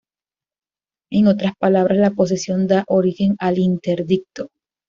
En otras palabras, la posesión da origen al interdicto.